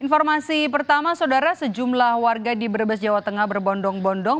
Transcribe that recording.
informasi pertama saudara sejumlah warga di brebes jawa tengah berbondong bondong